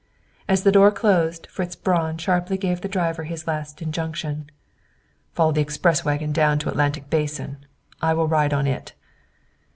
As the door closed, Fritz Braun sharply gave the driver his last injunction. "Follow the express wagon down to Atlantic Basin. I will ride on it."